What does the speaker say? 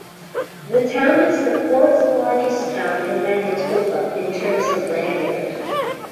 The town is the fourth-largest town in Manitoba in terms of land area.